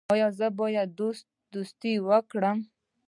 ایا زه باید دوستي وکړم؟